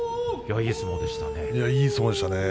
いい相撲でしたね。